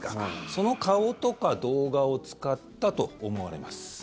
その顔とか動画を使ったと思われます。